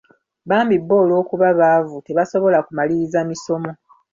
Bambi bo olw'okuba baavu tebasobola kumaliriza misomo.